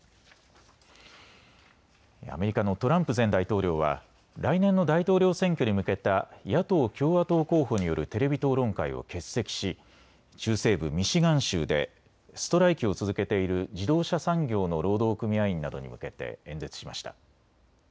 アメリカのトランプ前大統領は来年の大統領選挙に向けた野党・共和党候補によるテレビ討論会を欠席し中西部ミシガン州でストライキを続けている自動車産業の労働組合員などに向けて演説しました。